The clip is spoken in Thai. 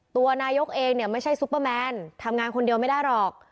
ตัวนายกเองเนี่ยไม่ใช่ซุปเปอร์แมนทำงานคนเดียวไม่ได้หรอก